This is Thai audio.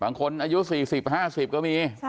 บางคนอายุ๔๐๕๐ก็มี